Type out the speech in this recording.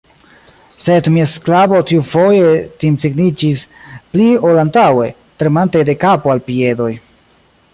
Sed mia sklavo tiufoje timsigniĝis pli ol antaŭe, tremante de kapo al piedoj.